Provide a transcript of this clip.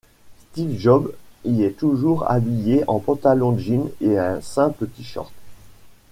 Steve Jobs y est toujours habillé en pantalon jeans et simple t-shirt.